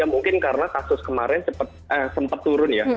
mungkin karena kasus kemarin sempat turun ya